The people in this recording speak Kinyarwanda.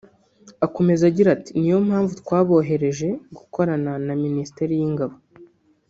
Akomeza agira ati “Niyo mpamvu twabohereje gukorana na Minisiteri y’ingabo